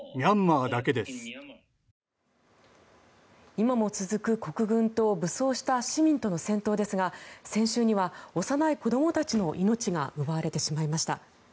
今も続く国軍と武装した市民との戦闘ですが先週には幼い子どもたちの命が奪われてしまいました。